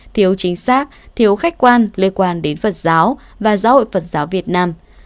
thiếu chính xác thiếu khách quan liên quan đến phật giáo và giáo hội phật giáo việt nam